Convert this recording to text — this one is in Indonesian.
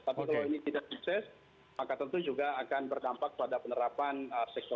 tapi kalau ini tidak sukses maka tentu juga akan berdampak pada penerapan sektor